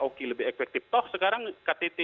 oki lebih efektif toh sekarang ktt